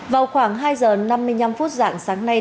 vào khoảng hai giờ năm mươi năm phút dạng sáng nay